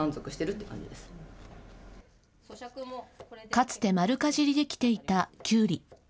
かつて丸かじりできていた、きゅうり。